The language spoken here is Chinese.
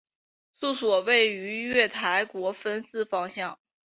厕所位于月台国分寺方向。